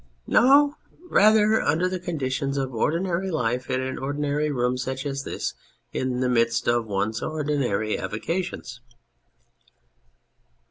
No, rather under the conditions of ordi nary life, in an ordinary room such as this, in the midst of one's ordinary avocations.